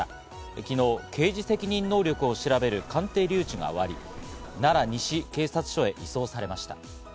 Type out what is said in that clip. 昨日、刑事責任能力を調べる鑑定留置が終わり、奈良西警察署へ移送されました。